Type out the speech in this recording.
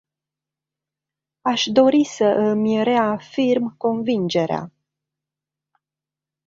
Aș dori să îmi reafirm convingerea.